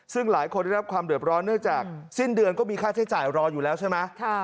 ซึ่งหลายคนได้รับความเดือดร้อนเนื่องจากสิ้นเดือนก็มีค่าใช้จ่ายรออยู่แล้วใช่ไหม